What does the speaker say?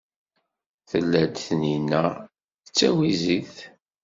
Tella-d Taninna d tawizit.